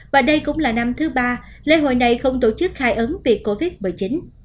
và đây cũng là năm thứ ba lễ hội này không tổ chức khai ấn vì covid một mươi chín